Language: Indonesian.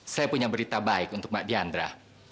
saya punya berita baik untuk mbak diandra